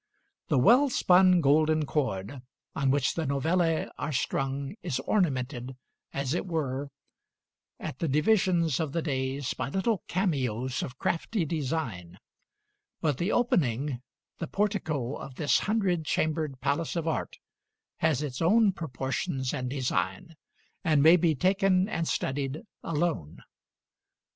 The well spun golden cord on which the "Novelle" are strung is ornamented, as it were, at the divisions of the days by little cameos of crafty design; but the opening, the portico of this hundred chambered palace of art, has its own proportions and design, and may be taken and studied alone.